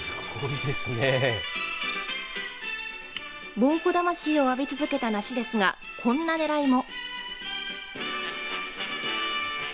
猛虎魂を浴び続けた梨ですがこんなねらいも。